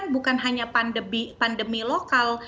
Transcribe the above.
bukan hanya pandemi lokal